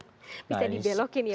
bisa dibelokin ya bang